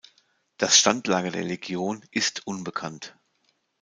Das Standlager der Legion ist unbekannt.